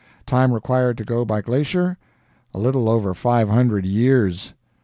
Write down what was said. Time required to go by glacier, A LITTLE OVER FIVE HUNDRED YEARS!